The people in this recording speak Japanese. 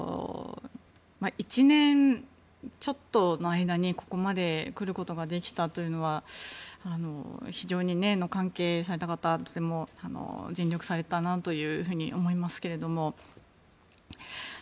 １年ちょっとの間にここまで来ることができたというのは非常に関係者の方々とても尽力されたなと思いますけど。